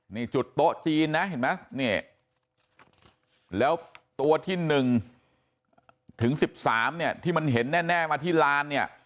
นี่จุดโต๊ะจีนนะเห็นไหมเนี่ยแล้วตัวที่๑ถึง๑๓เนี่ยที่มันเห็นแน่มาที่ลานเนี่ย